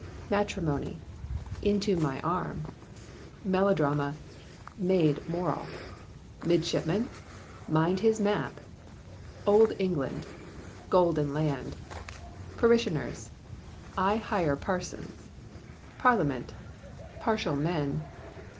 Matrimony...............Into my arm. Melodrama...............Made moral. Midshipman..............Mind his map. Old England.............Golden land. Parishioners............I hire parsons. Parliament..............Partial men.